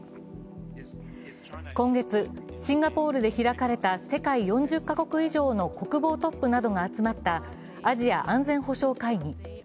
今月、シンガポールで開かれた世界４０か国以上の国防トップなどが集まったアジア安全保障会議。